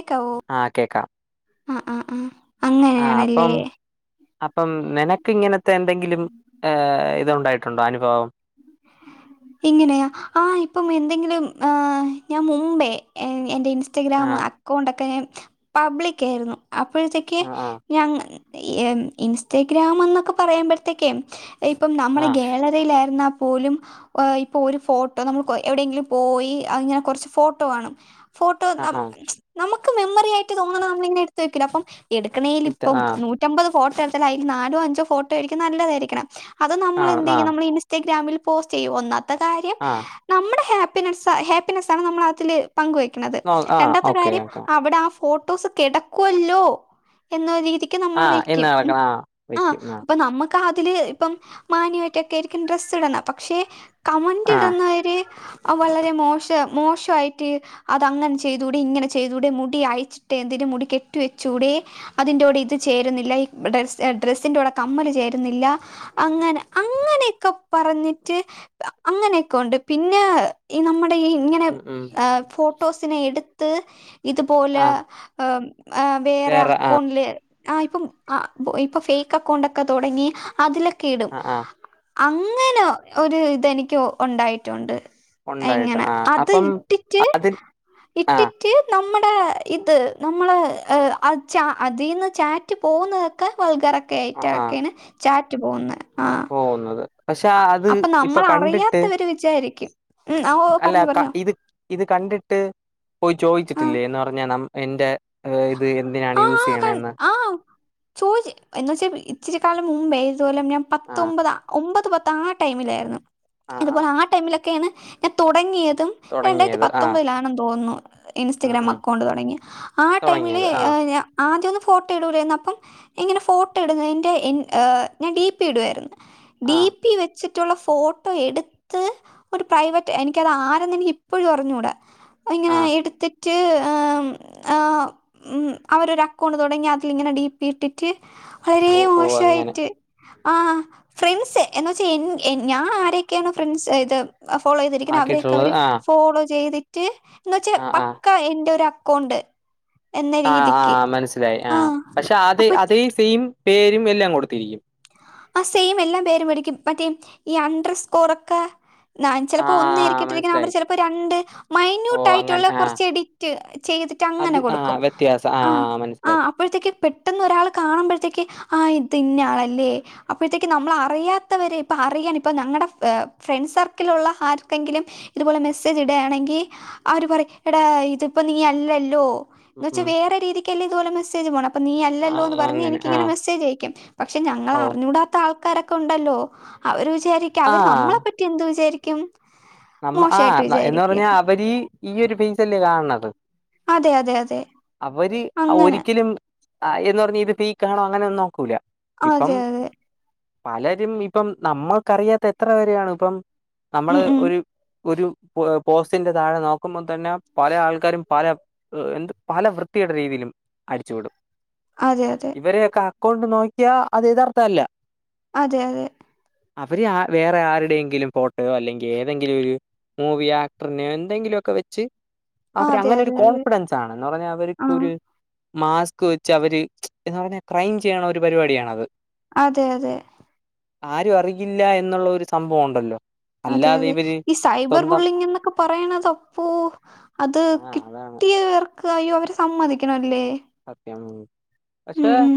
ഇക്കവു ആഹ് കേക്കാം ആഹ് ആഹ് ആഹ് ആഹ് അങ്ങനെയാണല്ലേ അപ്പം അപ്പം നിന ഇപ്പം ഇങ്ങനത്തെ എന്തെങ്കിലും ഇത് ഉണ്ടായിട്ടുണ്ടോ അനുഭവം ഇങ്ങനെയാ ആ ഇപ്പം എന്തെങ്കിലും ഞാൻ ഏഹ് മുമ്പേ എൻ്റെ ഇൻസ് ഇൻസ്റ്റഗ്രാം ആഹ് അക്കൗണ്ടൊക്കെ പബ്ലിക്ക് ആയിരുന്നു അപ്പോഴത്തേക്ക് ആഹ് ആഹ് ഞങ്ങ ഇൻസ്റ്റഗ്രാം എന്നൊക്കെ പറയുമ്പോഴത്തേക്കും ഇപ്പം നമ്മുടെ ആഹ് ഗാലറിയിലായിരുന്ന പോലും ഇപ്പൊ ഒരു ഫോട്ടോ നമ്മൾ എവിടെയെങ്കിലും പോയി അങ്ങനെ കൊറച്ച് ഫോട്ടോ കാണും ഫോട്ടോ ആഹ് നം ആഹ് നമുക്ക് മെമ്മറി ആയിട്ട് തോന്നത് നമ്മള് ഇങ്ങനെ എടുത്ത് വെക്കൂലെ അപ്പം എടുക്കണേൽ ഇട്ട് ഇപ്പം ആഹ് നൂറ്റമ്പത് ഫോട്ടോ എടുത്തല് അയിൽ നാലോ അഞ്ചോ ഫോട്ടോ ആയിരിക്കും നല്ലതായിരിക്കണം അത് നമ്മൾ ആണ് എന്ത് ചെയ്യും ആഹ് നമ്മൾ ഇൻസ്റ്റാഗ്രാമിൽ പോസ്റ്റ് ചെയ്യും ഒന്നാമത്തെ കാര്യം ആഹ് നമ്മളെ ഹാപ്പിനെസ് ഹാപ്പിനെസ് ആണ് നമ്മള് അതില് പങ്കുവെക്കുന്നത് നോ ആഹ് രണ്ടാമത്തെ ഓക്കെ കാര്യം ഓക്കെ അവിടെ ആ ഫോ ഫോട്ടോസ് കെടക്കുവല്ലോ എന്ന ഒരു രീതി ക്ക്‌ നമ്മള് ആഹ് ഇന്ന് വെക്കും മ്മ് നടക്കണം ആഹ് ആഹ് വെക്കും അപ്പം നമ്മക്ക് കാതില് ഇപ്പം മാന്യമായിട്ടൊക്കെ ആരിക്കും ഡ്രസിടുന്നെ പക്ഷെ കമന്റ് ആഹ് ഇട്ന്നവര് വളരെ മോശം മോശായിട്ട് അത് അങ്ങനെ ചെയ്തൂടെ ഇങ്ങനെ ചെയ്തൂടെ മുടി അഴിച്ചിട്ടയെന്തിന് മുടികെട്ടിവെച്ചൂടെ അതിന്റെ കൂടെ ഇത് ചേര്ന്നില്ല ഡ്രസ്സ് ഡ്രസ്സിന്റെ കൂടെ കമ്മല് ചേരുന്നില്ല അങ്ങനെ അങ്ങനൊക്കെ പറഞ്ഞി റ്റ് അങ്ങനൊക്കെ ഒണ്ട് പിന്നെ ഈ നമ്മുടെ ഈ ഇങ്ങനെ ഉം ഉം ഏഹ് ഫോ ഫോട്ടോസിനെ എട്ത്ത് ഇതുപോലെ ആഹ് വേറെ അക്കൗണ്ടില് ആഹ് ഇപ്പം ആഹ് ഇപ്പൊ ഫേക്ക് അക്കൗണ്ടൊക്കെ തൊടങ്ങി അതിലൊക്കെയിടും ആഹ് ആഹ് അങ്ങനെ ഒര് ഇതെനിക്ക് ഒണ്ടായിട്ടൊണ്ട് ഉണ്ടായിട്ട് എങ്ങനെ ആഹ് അത് അപ്പം ഇട്ടിറ്റ് അതിൽ ഇട്ടി ആഹ് റ്റ് നമ്മടെയിത് നമ്മള് അ അതീന്ന് ചാറ്റ് പോക്ന്നതൊക്കെ വൾഗറാ ആഹ് ആഹ് ക്കായിട്ടക്കാണ് ചാറ്റ് പോക്ന്നേ ആഹ് പോകുന്നത് പക്ഷെ അത് ഇപ്പം കണ്ടിട്ട് അറിയാത്തവര് വിചാരിക്കും ഉം, ആ, ഓ അല്ല പറഞ്ഞു ക പറഞ്ഞോ ഇത് ഇത് കണ്ടിട്ട് പോയി ആ ചോയിച്ചിട്ടില്ലേ എന്ന് പറഞ്ഞാണം എന്റെ ഇത് എന്തിനാണ് യൂസെയ്യ്ണെന്ന് ചോയിച്ച് എന്ന് വെച്ചാ ഇച്ചിരിക്കാലം മുമ്പേ ഇതുപോലെ ഞാൻ ആഹ് പത്തൊമ്പതാം ഒമ്പത് പത്ത് ആ ടൈമിലാരുന്നു ആഹ് ആഹ് ഇതുപോലെ ആ ടൈമിലൊക്കെയാണ് ഞാൻ തൊടങ്ങിയതും രണ്ടായിരത്തി തൊടങ്ങിയത് ആഹ് പത്തൊമ്പതിലാണെന്ന് തോന്നുന്നു ഉം ഇൻസ്റ്റഗ്രാം ഉം അക്കൗണ്ട് തൊടങ്ങിയേ ആ ടൈമില് തൊടങ്ങിയത് ആഹ് പിന്നെ ആദ്യംവൊന്നും ഫോട്ടോ ഇടൂലാരുന്നു അപ്പം ഇങ്ങനെ ഫോട്ടോ ഇട്ന്നെന്റെ ഇൻ ഞാൻ ഡി പി ഇടുവാരുന്നു ഡി ആഹ് പി വെ ച്ചിട്ട്ള്ള ഫോട്ടോയെട്ത്ത് ഒരു പ്രൈവറ്റ് എനിക്കതാരെന്ന് എനിക്ക് ഇപ്പഴും അറിഞ്ഞൂടാ അയിങ്ങനെ ആഹ് എട്ത്തിറ്റ് ഏഹ് ആഹ് ഉം അവരൊര് അക്കൗണ്ട് തൊടങ്ങി അതിലിങ്ങനെ ഡി ഇട്ടിറ്റ് വളരെ ഓ ഓ അങ്ങനെ മോശായിറ്റ് ആഹ് ഫ്രണ്ട്സ് എന്ന് വെച്ചാ എൻ ൻ ഞാൻ ആരൊക്കെയാണോ ഫ്രണ്ട്സ് ഇത് ഫോളോ ചെയ്തിരിക്കുന്ന അവരെയൊക്കെ ആക്കിയിട്ടുള്ളത് അവര് ആഹ് ഫോളോ ചെയ്തി റ്റ് എന്ന് വച്ചാ ആഹ് ആഹ് പക്കാ എന്റൊര് അക്കൗണ്ട്. എന്ന ആഹ് രീതിക്ക് ആഹ് മനസ്സിലായി ആ ആഹ് പക്ഷെ അതെ അപ്പൊ അതേ സെയിം പേരും എല്ലാം കൊട്ത്തിരിക്കും. സെയിം എല്ലാം പേരും അടിക്കും മറ്റേ ഈ അണ്ടർ സ്കോറൊക്കെ നാൻ ചെലപ്പോ ആഹ് ഒന്നേരിക്കിട്ടിരിക്ക്ന്നെ അവര് മനസ്സിലായി ചെലപ്പോ രണ്ട് ഓ അങ്ങനെ മൈന്യൂട്ടായിട്ട്ള്ള ആഹ് കൊറച്ച് എഡി റ്റ് ചെയ്തിട്ടങ്ങനെ അത് ആഹ് കൊട്ക്കും വ്യത്യാസം ആഹ് മനസ്സിലായി ആഹ് അപ്പോഴ്ത്തേക്ക് പെട്ടന്നൊരാള് കാണുമ്പഴത്തേക്ക് ആഹ് ഇത് ഇന്നയാളല്ലേ അപ്പഴ്ത്തേക്ക് നമ്മള അറിയാത്തവര് ഇപ്പ അറിയാണ് ഇപ്പ ഞങ്ങടെ ഫ്രണ്ട്സർക്കില്ള്ള ആർക്കെങ്കിലും ഇത്പോലെ മെസ്സേജ് ഇട്യാണെങ്കി അവര് പറയും എടാ ഇതിപ്പോ നീ അല്ലല്ലോ? ഉം എന്ന് വച്ചാ ഉം വേറെ രീതിക്കല്ലേ ഇത്പോലെ മെസേജ് പോണം അപ്പ നീ അല്ലോന്ന് ആഹ് പറഞ്ഞ് അങ്ങനെ എനിക്കിങ്ങനെ ആഹ് മെസ്സേജയ്ക്കും പക്ഷെ ഞങ്ങള ഓ റിഞ്ഞൂടാത്ത ആൾക്കാരൊക്കെ ഒണ്ടല്ലോ അവര് വിചാരിക്കും അവര് ആഹ് നമ്മളെ പറ്റി എന്ത് വിചാരിക്കും? നമ്മ മോശമായിട്ട് ആഹ് എന്ന് വിചാരിക്കും പറഞ്ഞാ അവരീ ഈ ഒരു ഫേയിസല്ലേ കാണ്ന്നത് അതെ അതെ അതെ അവര് അങ്ങനെ ഒരിക്കലും എന്ന് പറഞ്ഞാ ഇത് ഫെയ്ക്കാണോ അങ്ങനെ ഒന്നും നോക്കൂല ഇപ്പം അതെ അതെ പലരും ഇപ്പം നമ്മക്കറിയാത്ത എത്ര പേരെയാണ് ഇപ്പം ഉം നമ്മള് ഉം ഒരു ഒരു പോസ്റ്റിന്റെ താഴെ നോക്ക്മ്പതന്നെ പല ആൾക്കാരും പല എന്ത് പല വൃത്തികെട്ടരീതിയിലും അടിച്ചുവിടും അതെ അതെ ഇവരൊക്കെ അക്കൗണ്ട് നോക്കിയാ അത് യഥാർത്ഥ അല്ല അതെ അതെ അവര് വേറെ ആരുടെയെങ്കിലും ഫോട്ടോയോ അല്ലെങ്കിൽ എന്തെങ്കിലും ഒരു മൂവി ആക്ടറിനെ എന്തെങ്കിലും ഒക്കെ വെച്ച് ആ അവര് അതെ, അങ്ങനെ ഒരു അതെ, അതെ. കോൺഫിഡൻസ് ആണ് എന്ന് പറഞ്ഞാൽ ആ. അവർക്കൊരു മാസ്ക് വെച്ച് അവര് എന്താ പറഞ്ഞ ക്രൈം ചെയ്യണ ഒരു പരിപാടിയാണത് അതെ അതെ ആരും അറിയില്ല എന്നുള്ള ഒരു സംഭവം ഉണ്ടല്ലോ അതെ, അതെ. അല്ലാതെയും ഈ സൈബർ ബുള്ളിങ്ങ് എന്നൊക്കെ പറയണതപ്പോ അത് ആഹ് അതാണ് കിട്ടിയവ ക്ക് അയ്യോ അവര് സമ്മതിക്കണല്ലേ സത്യം ഉം, പക്ഷെ ഉം.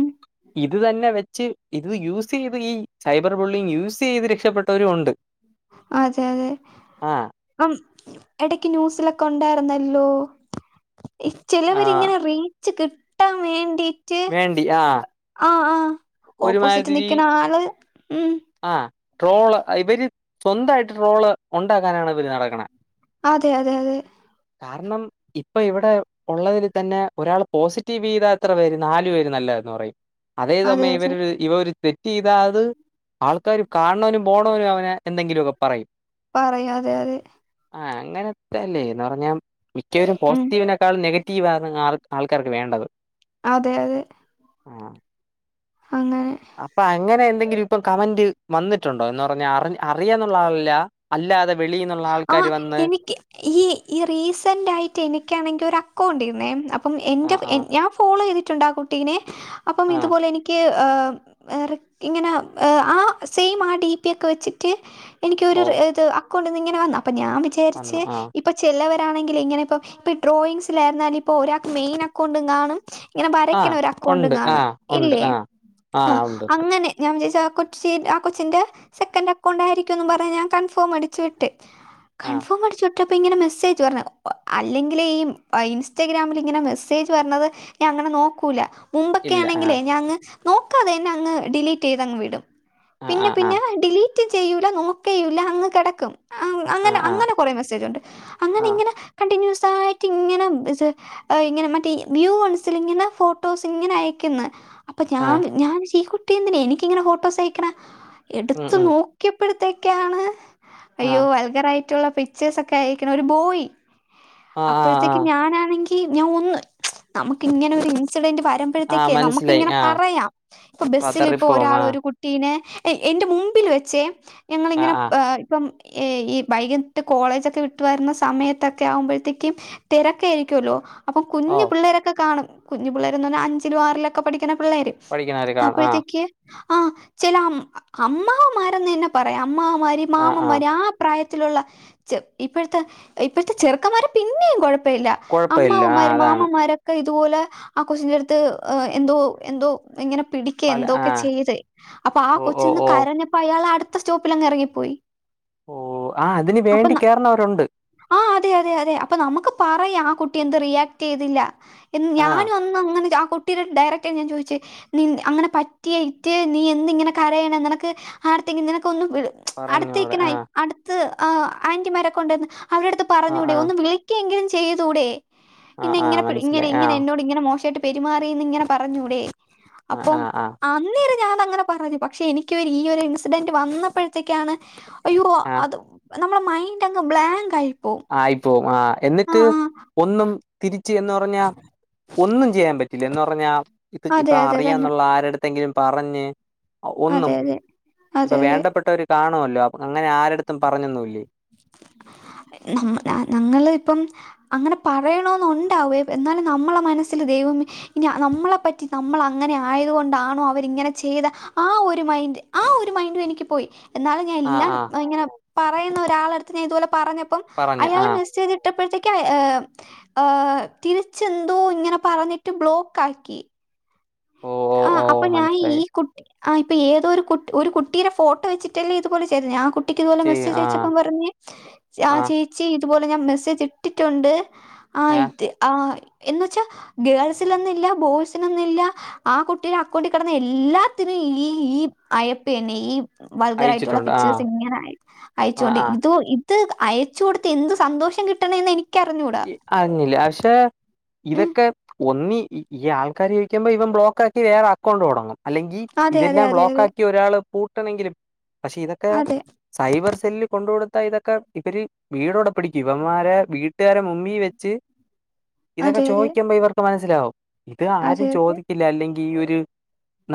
ഇത് തന്നെ വെച്ച് ഇത് യൂസ് ചെയ്ത് ഈ സൈബർ ബുള്ളി യൂസ് ചെയ്ത് രക്ഷപ്പെട്ടവരും ഉണ്ട് അതെ അതെ ആഹ് ഇപ്പം എടക്ക് ന്യൂസിലൊക്കെ ഉണ്ടായിരുന്നല്ലോ ആഹ് ചെലവരിങ്ങനെ റീച്ച് കിട്ടാൻ വേണ്ടി റ്റ് വേണ്ടി ആഹ് ആഹ് ആഹ് ഓപ്പോസിറ്റ് നിൽക്കുന്ന ആള് ഉം ആ ട്രോള് ഇവര് സ്വന്തമായിട്ട് ട്രോള് ഉണ്ടാക്കാനാണ് ഇവര് നടക്കണ അതെ അതെ അതെ. കാരണം ഇപ്പൊ ഇവിടെ ഉള്ളതിൽ തന്നെ ഒരാൾ പോസിറ്റീവ് ചെയ്താ എത്ര പേര് നാലു പേര് നല്ലതാന്ന് പറയും. അതെ, അതേസമയം അതെ. ഇവരൊര് ഇവര് ഒരു തെറ്റ് ചെയ്താ അത് ആൾക്കാർ കാണ് ണോനും പോണവനും അവനെ എന്തെങ്കിലു ഒക്കെ പറയും. പറയും അതെ അതെ. ആഹ് അങ്ങനത്തെ അല്ലേ എന്ന് പറഞ്ഞാ മിക്കവരും ഉം. പോസിറ്റീവിനേക്കാളും നെഗ റ്റീവാണ് ആൾ ആൾക്കാർക്ക് വേണ്ടത്. അതെ അതെ. ആഹ്. അങ്ങനെ. അപ്പൊ അങ്ങനെ എന്തെങ്കിലും ഇപ്പം കമന്റ് വന്നിട്ടുണ്ടോ എന്ന് പറഞ്ഞാ അറിഞ് അറിയാന്നുള്ള ആളല്ല. അല്ലാതെ വെളീന്നുള്ള ആ ആൾക്കാര് വന്ന്. എനിക്ക് ഈ ഈ റീസന്റ് ആയിട്ട് എനിക്കാണെങ്കി ഒരു അക്കൗണ്ടീന്നേ. അപ്പം എൻ്റെ ആഹ് ആഹ് ഞാൻ ഫോളോ ചെയ്തിട്ടുണ്ട് ആ കുട്ടീനെ. അപ്പം ഇതു ആഹ് പോലെ എനി ക്ക് ഏഹ് ഏറ് ഇങ്ങനെ ആ സെയിം ആ ഡിപി ഒക്കെ വച്ചിട്ട്. എനിക്കൊരു ഓ റ് ഇത് അക്കൗണ്ടിന്ന് ഇങ്ങനെ വന്നു. അപ്പോ ഞാൻ വിചാരിച്ച് വന്നു ഇ ആഹ് ഇപ്പൊ ചെലവരാണെങ്കിൽ ഇങ്ങനെ ഇപ്പം, ഇപ്പൊ ഡ്രോയിങ്സിലായിരുന്നാലും ഇപ്പം ഒരാൾക്ക് മെയിൻ അക്കൗണ്ടും കാണും ഇങ്ങനെ ആഹ് വരക്ക്യ്ണ ഒര് അക്കൗണ്ടും ഉണ്ട് കാണും ആഹ് ഉണ്ട് ഇല്ലേ? ആഹ് ആഹ് അഹ്. ഉണ്ട് ഉണ്ട് അങ്ങനെ, ഞാൻ വിചാരിച്ചു ആ കൊച്ചി ആ കൊച്ചിന്റെ സെക്കൻഡ് അക്കൗണ്ട് ആയിരിക്കുംന്ന് പറഞ്ഞ് ഞാൻ കൺഫോം അടി ച്ച് വിട്ട്. ആഹ് കൺഫോം അടിച്ച് വി ട്ടപ്പം ഇങ്ങനെ മെസ്സേജ് വര്ണ്. അല്ലെങ്കിലെ ഈ ഇൻസ്റ്റാഗ്രാമിലിങ്ങനെ മെസ്സേജ് വരണത് ഞാൻ അങ്ങനെ നോക്കൂല. മുമ്പൊക്കെ ഇല്ല ആണെങ്കിലേ ആഹ് ഞാ അങ്ങ് നോക്കാതെ തന്നെ അങ്ങ് ഡിലീറ്റ് ചെയ്തങ്ങ് വിടും. ആഹ് പിന്നെ ആഹ് പിന്നെ ഡിലീറ്റും ചെയ്യൂല നോക്കയൂല്ല അങ്ങ് കിടക്കും. ആഹ് അങ്ങനെ ആഹ് അങ്ങനെ കൊറെ മെസ്സേജ് ഉണ്ട്. അങ്ങനെ ആഹ് ഇങ്ങനെ കണ്ടിന്യൂസ് ആയിട്ട് ഇങ്ങനെ ഇങ്ങനെ മറ്റേ വ്യൂ വൺസിലിങ്ങന ഫോട്ടോസ് ഇങ്ങനെ അയക്ക്ന്ന്. അപ്പൊ ഞാൻ ആഹ് ഞാൻ [unintelligible] ഈ കുട്ടിയെന്തിനാ എനിക്കിങ്ങനെ ഫോട്ടോസ് അയക്ക്ണെ. ഉം എടുത്ത് ഉം നോ ക്കിയപ്പഴ്ത്തേക്ക്യാണ്. അയ്യോ ആഹ് വൽഗറായിട്ടുള്ള പിക്ചേഴ്സ് ഒക്കെ അയക്ക്ണ് ഒരു ബോയ്. ആഹ് ആഹ് അപ്പഴ്ത്തേക്ക് ആഹ് ഞാനാണെങ് കി ഞാൻ ഒന്ന് നമുക്ക് ഇങ്ങനെ ഒരു ഇൻസിഡൻ്റ് വര ആഹ് മ്പഴത്തേക്കേ നമുക്ക് മനസ്സിലായി ഇങ്ങനെ ആഹ് പറയാം. ഇപ്പം ബസിൽ ഇപ്പോ പതറിപ്പോവും ഒരാള് ആഹ് ഒരു കു ട്ടീനെ എ എന്റെ മുമ്പിൽ വെച്ചേ. ഞങ്ങളിങ്ങനെ ആഹ് ആഹ് ഏഹ് ഇപ്പം ഈ ഈ വൈകിട്ട് കോളേജൊക്കെ വിട്ട് വരുന്ന സമയത്തൊക്കെ ആവുമ്പഴ്ത്തേക്കും തെരക്കായിരിക്കോല്ലോ. അപ്പം ഓ കുഞ്ഞ് പിള്ളേരൊക്കെ കാണും. കുഞ്ഞ് പിള്ളേരെന്ന് പറഞ്ഞാ അഞ്ചിലും ആറിലൊക്കെ പഠിക്ക്ണ പിള്ളേര്. പഠിക്കുന്നവര് കാണും ആഹ് അപ്പഴ്ത്തേക്ക്‌ ആഹ് ചില അമ്മാവൻമാരെന്ന് തന്നെ പറയാം അമ്മാവമാര് മാമന്മാര് ആഹ് പ്രായത്തിലുള്ള ചെ ഇപ്പഴത്തെ ഇപ്പഴത്തെ ചെറുക്കന്മാര് പിന്നെയും കൊഴ പ്പയില്ല. കൊഴപ്പയില്ല ആ അമ്മാവന്മാരും അതാണ് മാമന്മാരൊക്കെ ഇതുപോലെ ആ കൊച്ചിന്റെ എടുത്ത് എന്തോ എന്തോ ഇങ്ങനെ പിടിക്കേ പല എന്തോ ആ ഒക്കെ ചെയ്ത്. അപ്പൊ ആ ഓ കൊച്ചു ഓ നിന്ന് ഓ കരഞ്ഞ പ്പ അയാള് അടുത്ത സ്റ്റോപ്പിലങ്ങ് എറങ്ങിപ്പോയി. ഓഹ്. ആഹ് അതിന് വേണ്ടി കേറണവരുണ്ട്. ആഹ് അതെ അതെ അതെ. അപ്പൊ നമുക്ക് പറയാ ആ കുട്ടി എന്ത് റിയാക്ട് ചെയ്തില്ല. എന്ന് ആ ഞാനൊ ന്നും അങ്ങനെ ആ കുട്ടിയുടെ ഡയറക്റായി ഞാൻ ചോയിച്ച്. നിൻ അങ്ങനെ പറ്റിയയിറ്റ് നീ എന്ത് ഇങ്ങനെ കരയണ്. നിനക്ക് ആരെട്ത്തെങ്കി നിനക്കൊന്ന് വിളി അടുത്ത് പറഞ്ഞോടെ ആ നിക്ക്ണെയ് അടുത്ത് ആഹ് ആന്റിമാരൊക്കെ ഒണ്ടാര്ന്ന് അവരട്ത്ത് ആ പറഞ്ഞൂടെ ആ ഒന്ന് വിളി ക്ക എങ്കിലും ചെയ്തൂടെ ആ എന്നെ ആ ഇങ്ങനെ പിടി ഇങ്ങനെ മനസ്സിലായി ആ ഇങ്ങനെ എന്നോട് ഇങ്ങനെ മോശായിട്ട് പെരുമാറീന്ന് ഇങ്ങനെ പറഞ്ഞൂടെ ആ അപ്പൊം ആ ആ അന്നേരം ഞാനങ്ങനെ പറഞ്ഞ് പക്ഷെ എനിക്ക് ഈ ഒരു ഇൻസിഡന്റ് വന്നപ്പഴത്തേക്കാണ് അയ്യോ ആ അത് നമ്മളെ മൈൻഡ് അങ്ങ് ബ്ലാങ്കായിപ്പോവും ആയിപ്പോവും ആഹ് എന്നിട്ട് ഒന്നും തിരിച്ച് എന്ന് പറഞ്ഞാ ഒന്നും ചെയ്യാൻ പറ്റില്ല എന്ന് പറഞ്ഞാ ഇത് ഇപ്പ അതെ, അതെ തന്നെ. അറിയാന്നുള്ള ആരെട് ത്തെങ്കിലും പറഞ്ഞ് അതെ, ഒന്നും അതെ. അതെ, ഇപ്പൊ അതെ. വേണ്ടപ്പെട്ട ഒര് കാണുവല്ലോ അങ്ങനെ ആരട്ത്തും പറഞ്ഞൊന്നും ഇല്ലെ നമ്മ ഞങ്ങള് ഇപ്പം അങ്ങനെ പറയണോന്ന് ഉണ്ടാവ്വേ എന്നാലും നമ്മള മനസ്സില് ദൈവമേ ഇനി നമ്മളെ പറ്റി നമ്മൾ അങ്ങനെ ആയതുകൊണ്ടാണോ അവരിങ്ങനെ ചെയ്തെ ആഹ് ഒരു മൈൻഡ് ആഹ് ഒരു മൈൻഡു എനിക്ക് പോയി എന്നാലും ഞാൻ ആ എല്ലാം ആ ഇങ്ങനെ പറയുന്ന ഒരാളട്ത്ത് ഞാൻ ഇതുപോലെ പറഞ്ഞപ്പം പറഞ്ഞു ആ അയാള് മെസ്സേജ് ഇട്ടപ്പഴത്തേക്ക് ഏഹ് ഏഹ് തിരിച്ചെന്തോ ഇങ്ങനെ പറഞ്ഞിട്ട് ബ്ലോക്കാക്കി ഓ ഓ ആഹ് ഓ അപ്പൊ ഞാന് ഈ മനസ്സിലായി കു ആഹ് ഇപ്പൊ ഏതോ ഒരു കുട്ട് ഒരു കുട്ടിയുടെ ഫോട്ടോ വെച്ചിട്ടല്ലെ ഇതുപോലെ ചെയ്തത് ആഹ് കു ട്ടിക്ക് ഇതുപോലെ ചെയ്യ മെസ്സേജ് ആ അയച്ചപ്പം പറഞ്ഞ് ആ ആഹ് ചേച്ചി ഇതുപോലെ ഞാൻ മെസ്സേജ് ഇട്ടിട്ടുണ്ട് ആഹ് ഏ ഇട്ട് ആഹ് എന്നുവച്ച ഗേൾസിലൊന്നു ഇല്ല ബോയ്സിനൊന്ന് ഇല്ല ആഹ് കുട്ടിടെ അക്കൗണ്ടി കെടന്ന എല്ലാത്തിനും ഈ ഈ അയപ്പ് തന്നെ ഈ വൾഗറായിട്ടുള്ള അയച്ചിട്ടുണ്ട് ആ പിച്ചേഴ്സ് ഇങ്ങനെ അയ് ആ അയച്ചോണ്ട് ആ ഇതു ഇ ത് അയച്ച് കൊടുത്ത് എന്ത് സന്തോഷം കിട്ട്ണേന്ന് എനിക്കറിഞ്ഞൂട ഇ അറിഞ്ഞില്ല പക്ഷേ ഇതൊക്കെ ഒന്നി ഈ ആൾക്കാര് ചോയിക്കുമ്പൊ ഇവൻ ബ്ലോക്കാക്കി വേറെ അക്കൗണ്ട് തൊടങ്ങും അല്ലെങ്കി അതെ അതെ ഇതെല്ലാം അതെ ബ്ലോക്ക് അതെ ആക്കി ഒരാള് പൂട്ടാണെങ്കിലും പക്ഷെ ഇതൊക്കേ അതെ സൈബർ സെല്ലില് കൊണ്ട് കൊടുത്ത ഇതൊക്കെ ഇവര് വീടോടെ പിടിക്കും ഇവന്മാരെ വീ ട്ട് കാരെ മുന്നി വെച്ച് ഇതൊക്കെ അതെ അതെ ചോദിക്കുമ്പൊ ഇവർക്ക് മനസ്സിലാവും ഇത് ആരും അതെ അതെ ചോദിക്കി ല്ല അല്ലെങ്കി ഈ ഒരു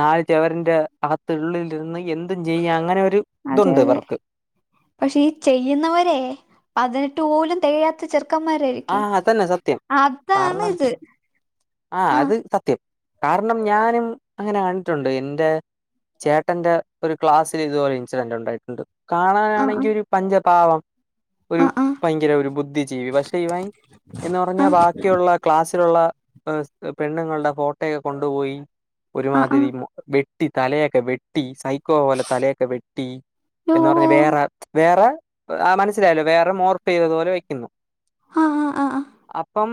നാല് ചൊവരിന്റെ അകത്തുള്ളിലിരുന്ന് എന്തും ചെയ്യാ അങ്ങനെ ഒര് അതെ അതെ പക്ഷേ ഈ ചെയ്യുന്നവരെ പതിനെട്ട് പോലും തെകയാത്ത ചെറ് ക്കമ്മാരായി ആഹ് അതന്നെ സത്യം കാര്ണം ഇത് ആഹ് ആ അത് സത്യം കാര്ണം ഞാനും അങ്ങനെ കണ്ടിട്ടുണ്ട് എന്റെ ചേട്ടന്റെ ഒരു ക്ലാസ്സില് ഇതുപോലെ ഇൻസിഡന്റ് ഉണ്ടായിട്ടുണ്ട് ആ ആ കാണാനാണെങ്കി ഒരു പഞ്ചപാവം ഒരു ആ ഭയങ്കര ഒരു ബുദ്ധിജീവി പക്ഷെ ഇവൻ എന്ന് ആ പറഞ്ഞാ ബാക്കിയുള്ള ക്ലാസ്സിലുള്ള ഏഹ് പെണ്ണുങ്ങള്ടെ ഫോട്ടോയെ കൊണ്ടുപോയി ആ ആ ഒരുമാതിരി വെട്ടി തലയൊക്കെ വെട്ടി സയ് ക്കോ പോലെ തലയൊക്ക വെട്ടി യ്യോ, എന്ന് പറഞ്ഞ വേറ വേറ ആഹ് മനസ്സിലായല്ലൊ വേറെ മോർഫ്‌ ചെയ്തതുപോലെ വയ്ക്കുന്നു ആഹ് ആഹ് ആഹ് ആഹ് അപ്പം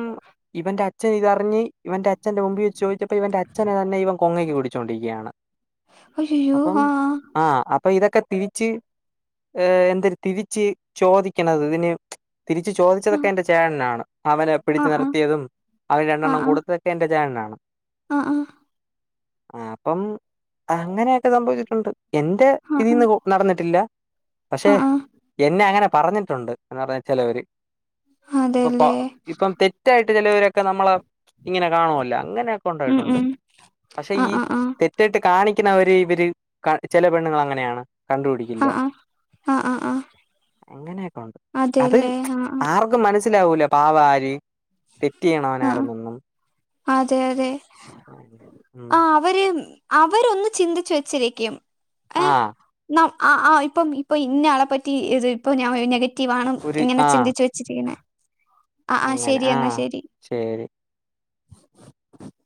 ഇവന്റെ അച്ഛൻ ഇതറിഞ്ഞ് ഇവന്റെ അച്ഛന്റെ മുമ്പി വെച്ച് ചോദിച്ചപ്പൊ ഇവന്റെ അച്ഛനെ തന്നെ ഇവൻ കൊങ്ങയ്ക്ക് പിടിച്ചോണ്ടിരിക്ക്യാണ് അയ്യയ്യോ ആഹ് ആഹ് അപ്പൊ ഇതൊക്ക തിരിച്ച് ഏഹ് എന്ത്ര് തിരിച്ച് ചോദിക്ക്ണത് ഇതിന് തിരിച്ച് ചോ ആ പിടിച്ചതൊക്കെ എന്റെ ചേട്ടനാണ് അവനെ ആ പിടിച്ചു ആ നിർത്തിയതും അവന് രണ്ടെണ്ണം കൊടുത്തതൊക്കെ എന്റെ ചേട്ടനാണ് ആഹ് ആഹ് അപ്പം അങ്ങനെയൊക്കെ സംഭവിച്ചിട്ടുണ്ട് എന്റെ ആ ഇതിന്ന് നടന്നിട്ടില്ല ആ ആ പക്ഷെ - ആ എന്നെ അങ്ങനെ പറഞ്ഞിട്ടുണ്ട് എന്ന് പറഞ്ഞ ചെലവര് ഇപ്പൊ അതെല്ലേ ഇപ്പം തെറ്റായിട്ട് ചെലവരൊക്കെ നമ്മളെ ഇങ്ങനെ കാണുവല്ലോ അങ്ങനെയൊക്കെ ഉം ഒണ്ടായിട്ടുണ്ട് ഉം പക്ഷെ ആ ഈ ആ ആ തെറ്റായിട്ട് കാണിക്കുന്ന അവര് ഇവര് ചെല പെണ്ണുങ്ങള് അങ്ങനെയാണ് ആ കണ്ടുപിടിക്കില്ല ആ ആ ആ ആ അങ്ങനെയൊക്കെ ഒണ്ട് അത് അതെല്ലേ ആ - ആ ആർക്കും മനസ്സിലാവൂല പാവം ആര് തെറ്റ് ചെയ്യണവൻ ആ ആ ആരാന്നൊന്നും അതെ അതെ ഉം ആഹ് അവര് അവര് ഒന്ന് ചിന്തിച്ചു വെച്ചിരിക്കും ആഹ് നം ആഹ് ആഹ് ഇപ്പം ഇപ്പം ഇന്നയാളെ പറ്റി ഇത് ഇപ്പൊ ഞാൻ നെഗറ്റീവ് ആണ് ഒരു ഇങ്ങനെ ആഹ് ചിന്തിച്ച് വെച്ച്- വെച്ചിരിക്കുന്നെ ആഹ് ആഹ് അങ്ങനെ ശരി എന്നാ ആഹ് ശരി ശരി [inaudible]